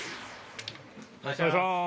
お願いします。